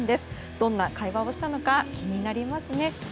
どんな会話をしたのか気になりますね。